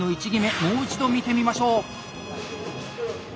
もう一度見てみましょう。